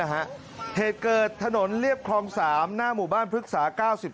เหตุเกิดถนนเรียบคลอง๓หน้าหมู่บ้านพฤกษา๙๒